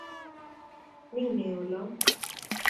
Mi ne olo